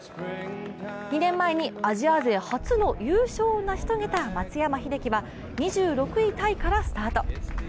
２年前にアジア勢初の優勝を成し遂げた松山英樹は２６位タイからスタート。